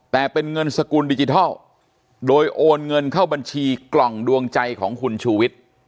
แต่เป็นเงินสกุลดิจิทัลโดยโอนเงินเข้าบัญชีกล่องดวงใจของคุณชูวิทย์